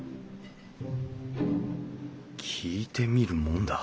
聞いてみるもんだ。